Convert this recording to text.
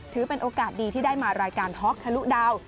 ถือเป็นโอกาสดีที่ได้มารายการท็อกทะลุดาว